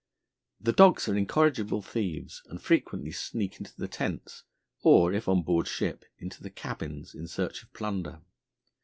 The dogs are incorrigible thieves and frequently sneak into the tents, or, if on board ship, into the cabins, in search of plunder.